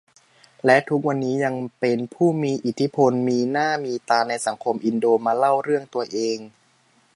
และทุกวันนี้ยังเป็นผู้มีอิทธิพลมีหน้ามีตาในสังคมอินโด มาเล่าเรื่องตัวเอง